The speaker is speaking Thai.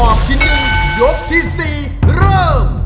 ออกชิ้นหนึ่งยกที่๔เริ่ม